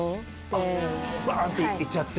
バンって行っちゃって？